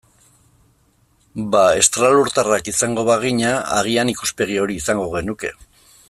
Bada, estralurtarrak izango bagina, agian ikuspegi hori izango genuke.